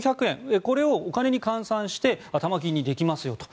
これをお金に換算して頭金にできますよと。